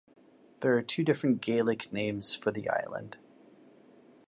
There are two different Gaelic names for the island.